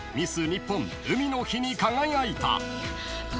日本「海の日」に輝いた］